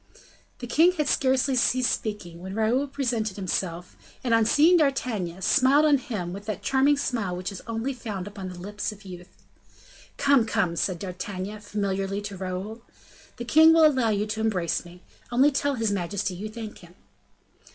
The king had scarcely ceased speaking, when Raoul presented himself, and, on seeing D'Artagnan, smiled on him with that charming smile which is only found upon the lips of youth. "Come, come," said D'Artagnan, familiarly, to Raoul, "the king will allow you to embrace me; only tell his majesty you thank him."